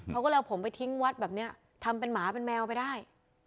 เขาก็เลยเอาผมไปทิ้งวัดแบบนี้ทำเป็นหมาเป็นแมวไปได้